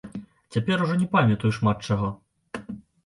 Цяпер ужо не памятаю шмат чаго.